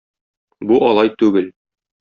Бу алай түгел.